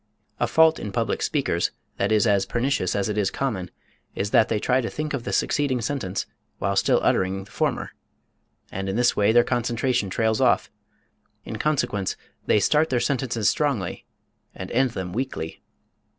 A fault in public speakers that is as pernicious as it is common is that they try to think of the succeeding sentence while still uttering the former, and in this way their concentration trails off; in consequence, they start their sentences strongly and end them weakly.